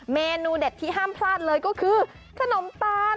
เมนูเด็ดที่ห้ามพลาดเลยก็คือขนมตาล